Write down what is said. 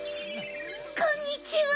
こんにちは！